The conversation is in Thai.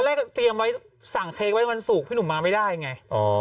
ตอนแรกเตรียมไว้สั่งเค้กไว้วันสุกพี่หนุ่มมาไม่ได้ไง